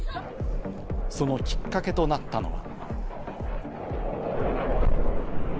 そのきっかけとなったのは。